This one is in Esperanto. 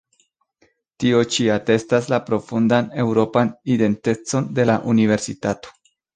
Tio ĉi atestas la profundan eŭropan identecon de la Universitato.